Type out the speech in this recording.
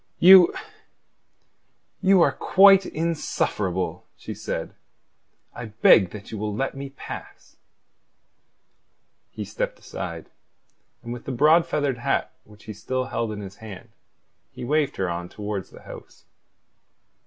"You... you are quite insufferable," she said. "I beg that you will let me pass." He stepped aside, and with the broad feathered hat which he still held in his hand, he waved her on towards the house.